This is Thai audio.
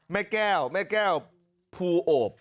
แม่แก้วแม่แก้วภูโอบ